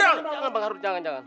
jangan bang harun jangan jangan